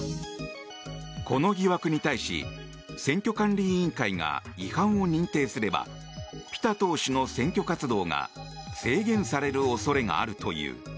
この疑惑に対し選挙管理委員会が違反を認定すればピタ党首の選挙活動が制限される恐れがあるという。